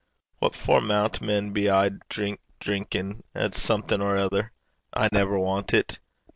What for maun men be aye drink drinkin' at something or ither? I never want it.